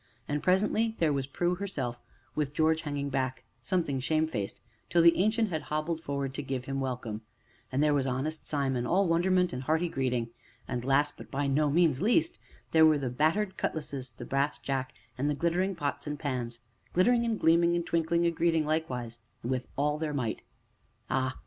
And, presently, there was Prue herself, with George hanging back, something shamefaced, till the Ancient had hobbled forward to give him welcome. And there was honest Simon, all wonderment and hearty greeting. And (last, but by no means least) there were the battered cutlasses, the brass jack, and the glittering pots and pans glittering and gleaming and twinkling a greeting likewise, and with all their might. Ah!